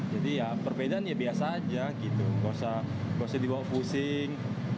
jadi ya perbedaan ya biasa aja gitu nggak usah dibawa pusing